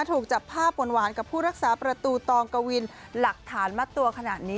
ถูกจับภาพหวานกับผู้รักษาประตูตองกวินหลักฐานมัดตัวขนาดนี้